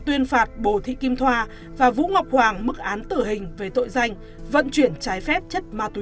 tuyên phạt hồ thị kim thoa và vũ ngọc hoàng mức án tử hình về tội danh vận chuyển trái phép chất ma túy